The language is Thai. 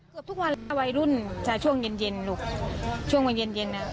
เกือบทุกวันวัยรุ่นจะช่วงเย็นเย็นลูกช่วงวัยเย็นเย็นน่ะ